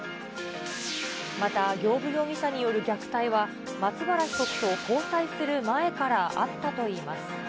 また行歩容疑者による虐待は、松原被告と交際する前からあったといいます。